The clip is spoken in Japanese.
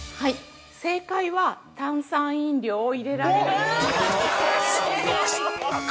◆正解は炭酸飲料を入れられるでした。